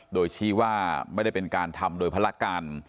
โดยชี้ว่าไม่ได้เป็นการทำโดยภารการ